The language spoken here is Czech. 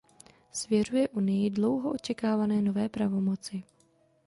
Svěřuje Unii dlouho očekávané nové pravomoci.